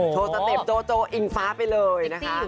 สเต็ปโจโจอิงฟ้าไปเลยนะคะ